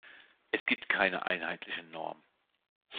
Es gibt keine einheitliche Norm.